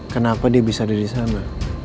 kenapa dia bisa ada di sana